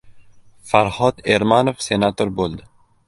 Farhod Ermanov senator bo‘ldi